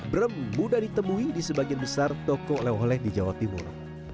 brem mudah ditemui di sebagian besar toko oleh oleh di jawa timur